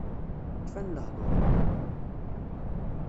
Kfan lehdur